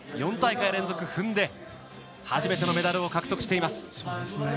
４大会連続踏んで初めてのメダルを獲得しています。